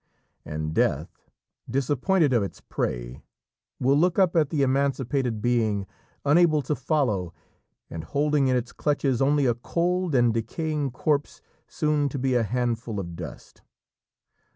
And Death, disappointed of its prey, will look up at the emancipated being, unable to follow, and holding in its clutches only a cold and decaying corpse, soon to be a handful of dust.